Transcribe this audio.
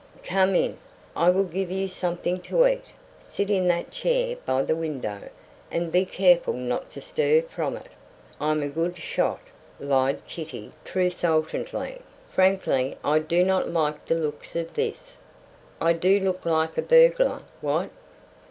"Come in. I will give you something to eat. Sit in that chair by the window, and be careful not to stir from it. I'm a good shot," lied Kitty, truculently. "Frankly, I do not like the looks of this." "I do look like a burglar, what?"